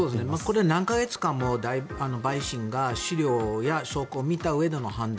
これは何か月間も大陪審が資料や証拠を見たうえでの判断。